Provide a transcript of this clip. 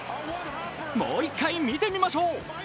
もう１回見てみましょう。